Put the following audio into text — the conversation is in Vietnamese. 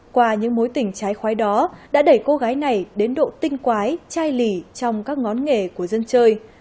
qua những mối tình trái khoái đó đã đẩy cô gái này đến độ tinh quái trai lì trong các ngón nghề của dân chơi